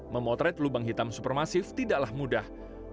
memotret lubang hitam supermasif tidaklah mudah